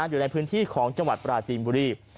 อยู่ในพื้นที่ของจังหวัดปราจีนบุรี